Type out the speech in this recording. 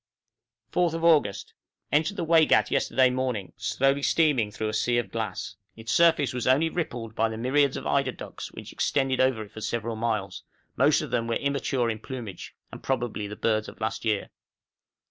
4th August. Entered the Waigat yesterday morning, slowly steaming through a sea of glass. Its surface was only rippled by the myriads of eider ducks which extended over it for several miles: most of them were immature in plumage, and were probably the birds of last year.